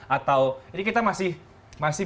atau jadi kita masih